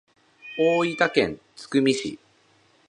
大分県津久見市